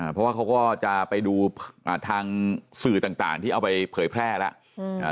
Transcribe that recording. เพราะว่าเขาก็จะไปดูทางสื่อต่างที่เอาไปเผยแพร่แล้ว